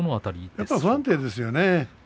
やはり不安定ですよね